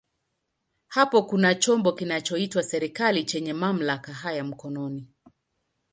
Hapo kuna chombo kinachoitwa serikali chenye mamlaka haya mkononi.